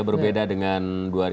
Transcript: berbeda dengan dua ribu empat belas